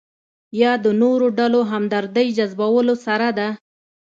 یا د نورو ډلو همدردۍ جذبولو سره ده.